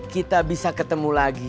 kita bisa ketemu lagi